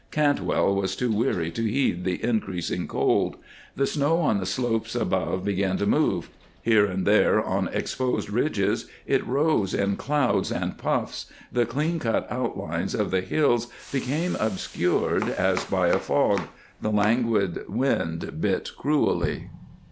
Cantwell was too weary to heed the increasing cold. The snow on the slopes above began to move; here and there, on exposed ridges, it rose in clouds and puffs; the clean cut outlines of the hills became obscured as by a fog; the languid wind bit cruelly.